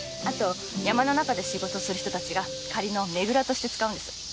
あと山の中で仕事する人たちが仮のねぐらとして使うんです。